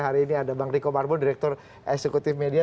hari ini ada bang riko marbon direktur eksekutif median